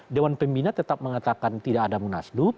dewan pembina tetap mengatakan tidak ada munaslup